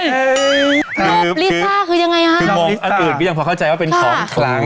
เฮ้ยคือลิซ่าคือยังไงครับคือมองอันอื่นพี่ยังพอเข้าใจว่าเป็นของขลัง